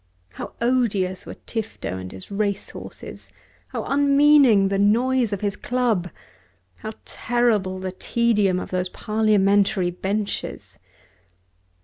How odious were Tifto and his racehorses, how unmeaning the noise of his club, how terrible the tedium of those parliamentary benches!